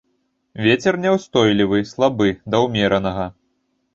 Вецер няўстойлівы, слабы да ўмеранага.